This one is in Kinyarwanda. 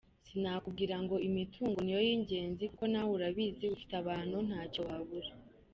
Sinakubwira ngo imitungo niyo y'ingenzi kuko na we urabizi ufite abantu ntacyo wabura.